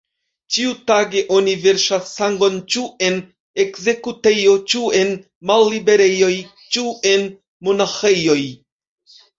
Ĉiutage oni verŝas sangon ĉu en ekzekutejo, ĉu en malliberejoj, ĉu en monaĥejoj.